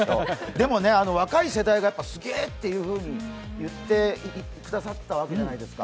でも若い世代がすげーっていうふうに言ってくださったわけじゃないですか。